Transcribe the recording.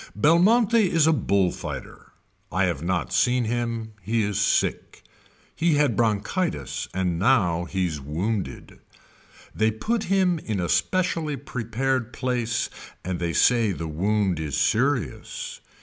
Belmonte is a bull fighter. I have not seen him. He is sick. He had bronchitis and now he's wounded. They put him in a specially prepared place and they say the wound is serious.